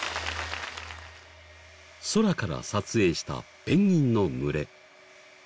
空から撮影したペンギンの群れ。